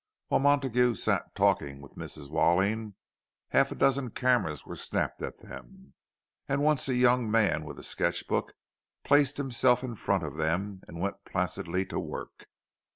While Montague sat talking with Mrs. Walling, half a dozen cameras were snapped at them; and once a young man with a sketch book placed himself in front of them and went placidly to work.